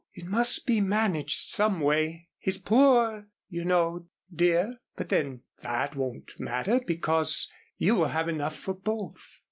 It must be managed some way. He's poor, you know, dear, but then that won't matter because you will have enough for both."